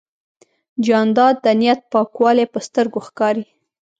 جانداد د نیت پاکوالی په سترګو ښکاري.